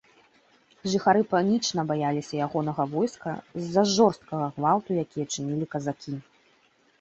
Жыхары панічна баяліся ягонага войска з-за жорсткага гвалту, які чынілі казакі.